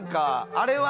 あれは？